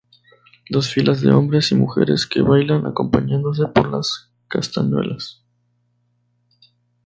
Dos filas de hombres y mujeres que bailan acompañándose por las castañuelas.